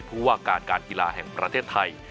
ผู้ว่าการการกีฬาแห่งประเทศไทย